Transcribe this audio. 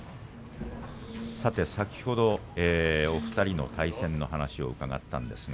先ほどお二人の対戦の話を伺いました。